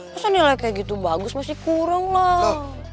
masa nilai kayak gitu bagus masih kurang lah